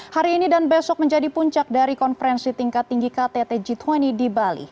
hari ini dan besok menjadi puncak dari konferensi tingkat tinggi ktt g dua puluh di bali